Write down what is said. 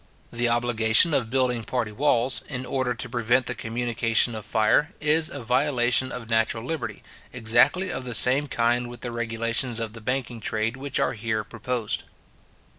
The obligation of building party walls, in order to prevent the communication of fire, is a violation of natural liberty, exactly of the same kind with the regulations of the banking trade which are here proposed.